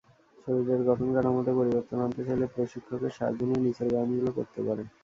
শরীরের গঠনকাঠামোতে পরিবর্তন আনতে চাইলে প্রশিক্ষকের সাহায্য নিয়ে নিচের ব্যায়ামগুলো করতে পারেন।